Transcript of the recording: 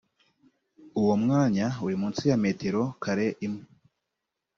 uwo mwanya uri munsi ya metero kare imwe